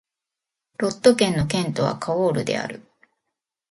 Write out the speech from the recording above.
ロット県の県都はカオールである